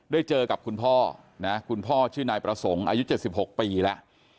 ได้เจอกับคุณพ่อนะคุณพ่อชื่อนายประสงค์อายุ๗๖ปีแล้ว